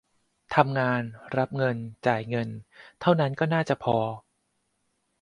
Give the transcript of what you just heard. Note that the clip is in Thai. ทำงาน รับเงิน จ่ายเงิน เท่านั้นก็น่าจะพอ